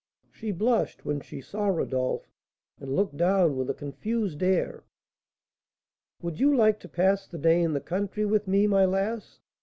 She blushed when she saw Rodolph, and looked down with a confused air. "Would you like to pass the day in the country with me, my lass?"